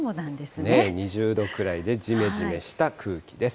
２０度くらいでじめじめした空気です。